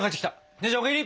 姉ちゃんお帰り！